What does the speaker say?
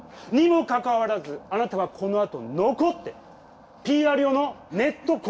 にもかかわらずあなたはこのあと残ってＰＲ用のネット